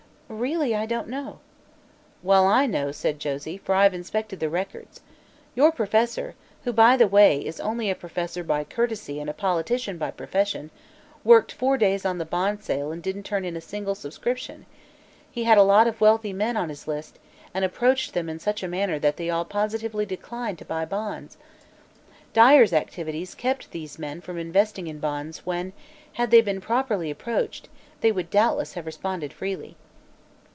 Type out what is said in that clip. Really, I don't know." "Well, I know," said Josie, "for I've inspected the records. Your professor who, by the way, is only a professor by courtesy and a politician by profession worked four days on the bond sale and didn't turn in a single subscription. He had a lot of wealthy men on his list and approached them in such a manner that they all positively declined to buy bonds. Dyer's activities kept these men from investing in bonds when, had they been properly approached, they would doubtless have responded freely."